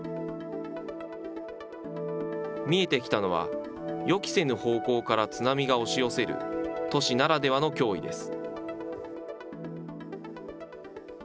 見えてきたのは、予期せぬ方向から津波が押し寄せる都市ならではの脅威です。